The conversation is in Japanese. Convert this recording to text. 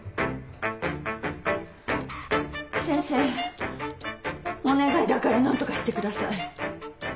先生お願いだから何とかしてください。